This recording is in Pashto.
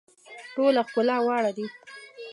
ټوله ښکلا واړه دي.